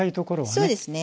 そうですね。